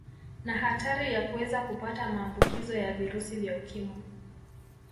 Na hatari ya kuweza kupata maambukizo ya virusi vya Ukimwi